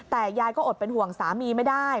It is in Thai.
แต่ยายก็อดเป็นห่วงสามีไม่ได้